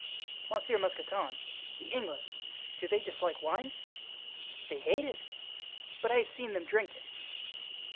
Monsieur Mousqueton! The English—do they dislike wine?" "They hate it." "But I have seen them drink it."